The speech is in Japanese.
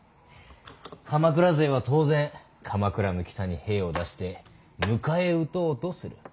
鎌倉勢は当然鎌倉の北に兵を出して迎え撃とうとする。